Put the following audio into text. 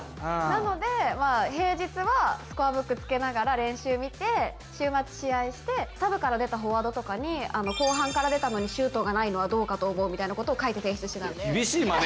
なので平日はスコアブックつけながら練習見て週末試合してサブから出たフォワードとかに「後半から出たのにシュートがないのはどうかと思う」みたいなことを書いて提出してたんで。